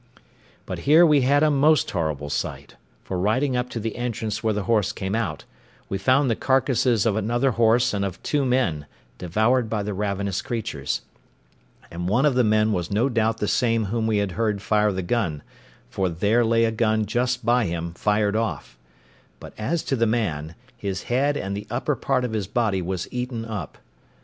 But here we had a most horrible sight; for riding up to the entrance where the horse came out, we found the carcasses of another horse and of two men, devoured by the ravenous creatures; and one of the men was no doubt the same whom we heard fire the gun, for there lay a gun just by him fired off; but as to the man, his head and the upper part of his body was eaten up.